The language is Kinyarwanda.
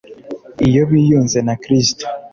iyo biyunze na Kristo